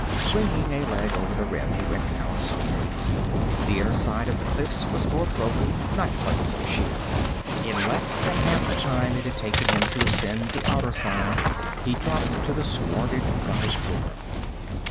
Swinging a leg over the rim he went down swiftly. The inner side of the cliffs was more broken, not quite so sheer. In less than half the time it had taken him to ascend the outer side, he dropped to the swarded valley floor.